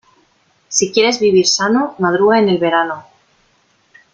Si quieres vivir sano, madruga en el verano.